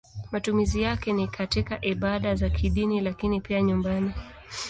Matumizi yake ni katika ibada za kidini lakini pia nyumbani.